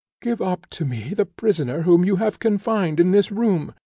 give up to me the prisoner whom you have confined in this room.